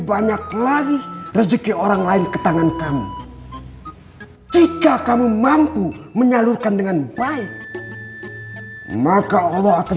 banyak lagi rezeki orang lain ke tangan kamu jika kamu mampu menyalurkan dengan baik maka allah akan